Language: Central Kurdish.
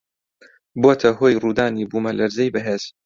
بووەتە هۆی ڕوودانی بوومەلەرزەی بەهێز